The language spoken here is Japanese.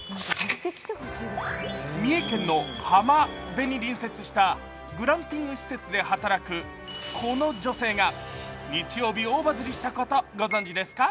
三重県の浜辺に隣接したグランピング施設で働くこの女性が日曜日、大バズりしたことご存じですか？